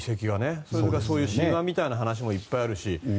それから神話みたいな話もいっぱいあるし。